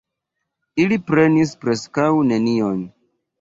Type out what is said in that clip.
Ili prenis preskaŭ nenion.